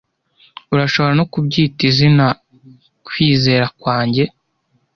urashobora no kubyita izina kwizera kwanjye